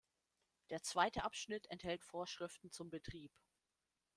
Der zweite Abschnitt enthält Vorschriften zum Betrieb.